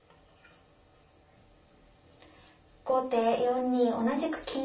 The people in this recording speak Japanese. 後手４二同じく金。